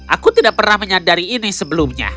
aku tidak pernah menyadari ini sebelumnya